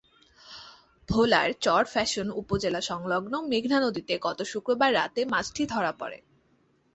ভোলার চরফ্যাশন উপজেলাসংলগ্ন মেঘনা নদীতে গত শুক্রবার রাতে মাছটি ধরা পড়ে।